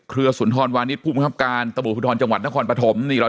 เครือศุนทรวารณิษฐ์ผู้บุคคับการตะบุธรจังหวัดนครปฐมนี่เรา